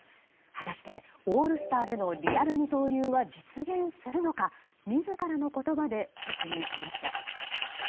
果たして、オールスターでのリアル二刀流は実現するのか、自らの言葉で説明しました。